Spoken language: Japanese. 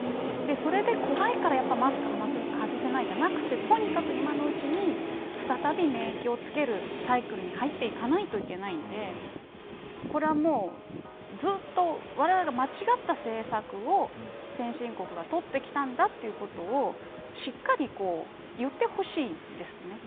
それで怖いからマスク外せないじゃなくてとにかく今のうちに再び免疫をつけるサイクルに入っていかないといけないんでこれは、ずっとわれわれが間違った政策を先進国が取ってきたんだということをしっかり言ってほしいですね。